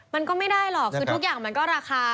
มันก็ไม่ได้หรอกคือทุกอย่างมันก็ราคา